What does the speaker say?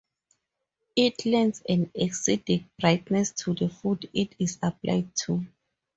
It lends an acidic brightness to the foods it is applied to.